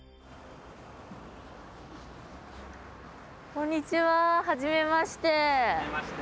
こんにちははじめまして。